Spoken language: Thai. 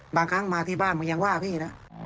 บางครั้งมาที่บ้านมันยังว่าพี่นะ